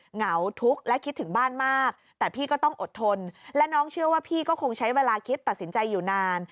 เหงาทุกข์และคิดถึงบ้านมากแต่พี่ก็ต้องอดทนและน้องเชื่อว่าพี่ก็คงใช้เวลาคิดตัดสินใจอยู่นาน